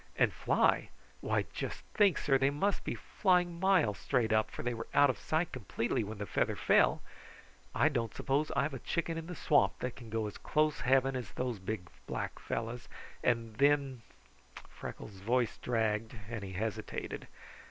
And fly? Why, just think, sir, they must be flying miles straight up, for they were out of sight completely when the feather fell. I don't suppose I've a chicken in the swamp that can go as close heaven as those big, black fellows, and then " Freckles' voice dragged and he hesitated.